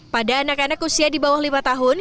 pada anak anak usia di bawah lima tahun